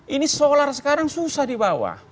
ini solar sekarang susah di bawah